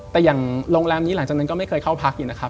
แต่อย่างโรงแรมนี้หลังจากนั้นก็ไม่เคยเข้าพักอยู่นะครับ